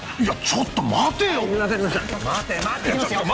ちょっと待て。